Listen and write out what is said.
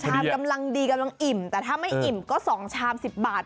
กำลังดีกำลังอิ่มแต่ถ้าไม่อิ่มก็๒ชาม๑๐บาท